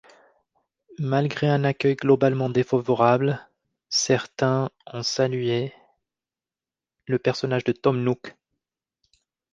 Malgré un accueil globalement défavorable, certains ont salués le personnage de Tom Nook.